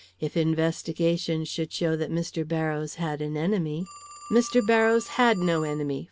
If investigation should show that Mr. Barrows had an enemy " "Mr. Barrows had no enemy!"